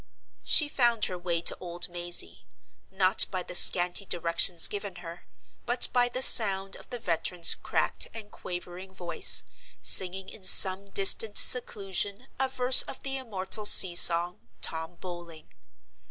She found her way to old Mazey, not by the scanty directions given her, but by the sound of the veteran's cracked and quavering voice, singing in some distant seclusion a verse of the immortal sea song—"Tom Bowling."